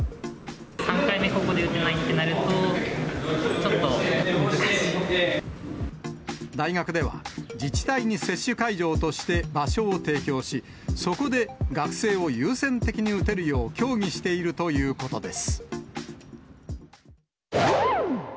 ３回目、ここで打てないって大学では、自治体に接種会場として場所を提供し、そこで学生を優先的に打てるよう協議しているということです。